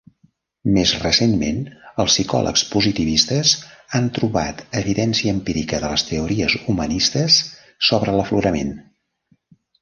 Més recentment, els psicòlegs positivistes han trobat evidència empírica de les teories humanistes sobre l'aflorament.